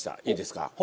いいですか？